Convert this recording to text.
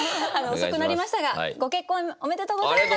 遅くなりましたがご結婚おめでとうございます！